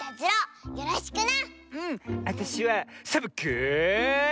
あたしはサボ子よ！